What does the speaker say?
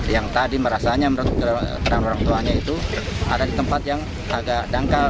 yang tadi merasanya menurut keterangan orang tuanya itu ada di tempat yang agak dangkal